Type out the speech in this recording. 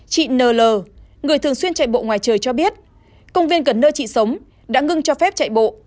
chị nl người thường xuyên chạy bộ ngoài trời cho biết công viên gần nơi chị sống đã ngưng cho phép chạy bộ